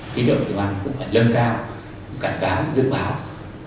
kỹ độc thì bạn cũng phải lân cao cảnh cáo dự báo để khuyến cáo cho bà con nhân dân